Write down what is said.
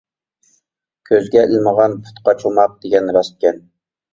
«كۆزگە ئىلمىغان پۇتقا چوماق» دېگەن راستكەن.